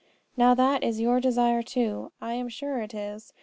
Now, that is your desire too. I am sure it is.